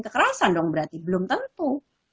kekerasan dong berarti belum tentu